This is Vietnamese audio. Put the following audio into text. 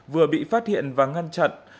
vừa bị phát hiện và ngăn chặn